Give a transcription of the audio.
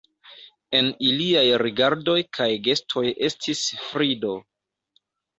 En iliaj rigardoj kaj gestoj estis frido.